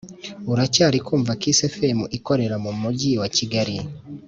Uracyari kumva kiss fm ikorera mu mujyi wa kigali